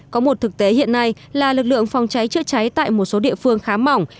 có một thực tế hiện nay là lực lượng phòng cháy chữa cháy tại một số địa phương khá mỏng